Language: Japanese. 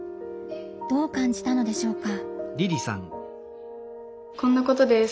どう感じたのでしょうか？